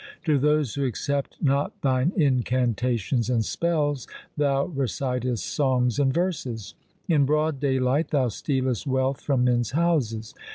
To those who accept not thine incantations and spells thou recitest songs and verses. In broad daylight thou stealest wealth from men's houses.